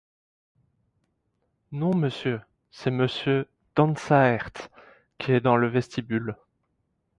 Non, Monsieur, c'est Monsieur Dansaert qui est dans le vestibule.